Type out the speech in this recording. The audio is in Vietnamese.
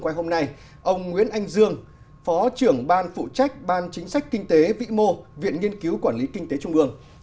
hôm nay hôm nay ông nguyễn anh dương phó trưởng ban phụ trách ban chính sách kinh tế vĩ mô viện nghiên cứu quản lý kinh tế trung ương